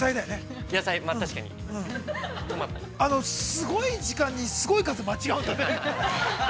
◆すごい時間にすごい数間違うんだね。